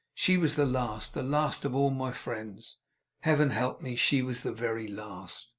She was the last, the last of all my friends! Heaven help me, she was the very last!